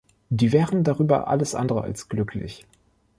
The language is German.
Die wären darüber alles andere als glücklich.